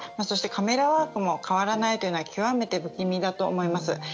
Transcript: そしてカメラワークも変わらないというのは極めて不気味だと思います。